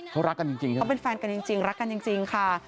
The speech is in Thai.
เขารักกันจริงใช่ไหมเขาเป็นแฟนกันจริงรักกันจริงค่ะ